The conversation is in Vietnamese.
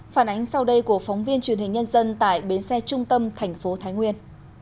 phản ánh sau đây của phóng viên truyền hình nhân dân tại bến xe trung tâm thành phố thái nguyên